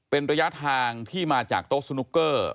เป็นระยะทางที่มาจากโต๊ะสนุกเกอร์